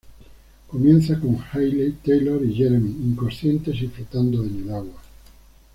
Comienza con Hayley, Taylor y Jeremy inconscientes y flotando en el agua.